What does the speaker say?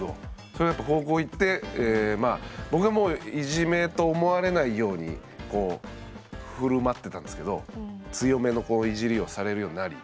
それがやっぱ高校行って僕がもういじめと思われないようにこう振る舞ってたんですけど強めのイジりをされるようになり。